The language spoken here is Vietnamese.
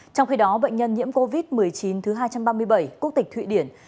trong khi đó bệnh nhân nhiễm covid một mươi chín thứ hai trăm ba mươi bảy quốc tịch thụy điển